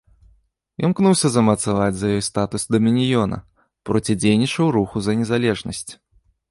Імкнуўся замацаваць за ёй статус дамініёна, процідзейнічаў руху за незалежнасць.